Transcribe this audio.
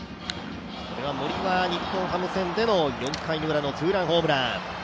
これは、森、日本ハム戦での４回ウラのツーランホームラン。